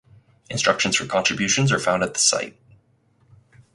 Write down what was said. Instructions for contributions are found at the site.